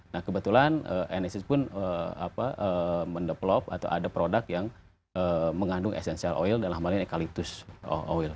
nah kebetulan nss pun mendeplop atau ada produk yang mengandung essential oil dan namanya eukalyptus oil